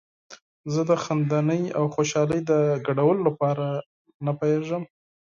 زه د خندنۍ او خوشحالۍ د شریکولو لپاره نه پوهیږم.